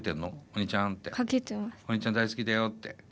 お兄ちゃん大好きだよって。